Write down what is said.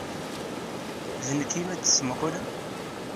D nekk ay la d-tettmuqqulem?